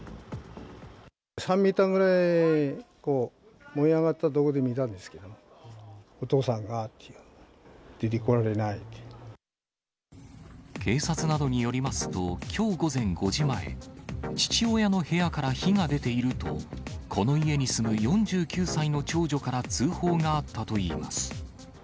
３メーターぐらい、こう、燃え上がったとこで見たんですけど、警察などによりますと、きょう午前５時前、父親の部屋から火が出ていると、この家に住む４９歳の長女から通報があったといいます。